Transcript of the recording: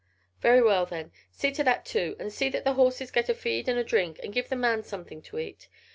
"Very well then, see to that too: and see that the horses get a feed and a drink and give the man something to eat."